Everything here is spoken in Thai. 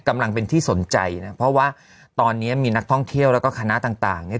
กำลังเป็นที่สนใจนะเพราะว่าตอนนี้มีนักท่องเที่ยวแล้วก็คณะต่างเนี่ย